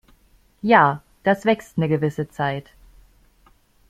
Ja, das wächst 'ne gewisse Zeit.